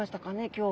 今日。